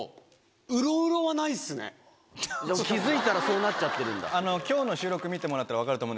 気付いたらそうなっちゃってるんだ。